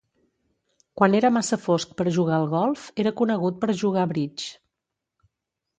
Quan era massa fosc per jugar al golf, era conegut per jugar bridge.